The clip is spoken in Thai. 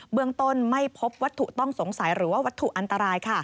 เมืองต้นไม่พบวัตถุต้องสงสัยหรือว่าวัตถุอันตราย